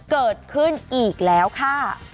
เกิดขึ้นอีกแล้วค่ะ